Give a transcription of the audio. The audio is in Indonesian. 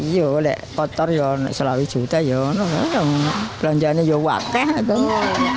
ya ya kota selama juta ya belanjaan itu sudah banyak